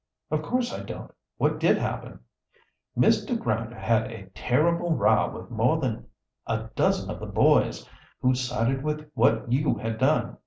"Of course I don't. What did happen?" "Mr. Grinder had a terrible row with more than a dozen of the boys, who sided with what you had done.